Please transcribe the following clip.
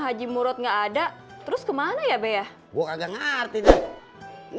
haji murad enggak ada terus kemana ya bea gua nggak ngerti nih